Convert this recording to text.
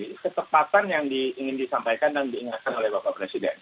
itu ketepatan yang ingin disampaikan dan diingatkan oleh bapak presiden